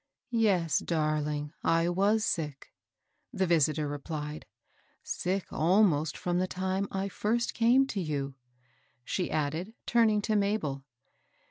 "Yes, darling, I was sick," the visitor replied. Sick almost from the time I first came to you," she added, turning to Mabel.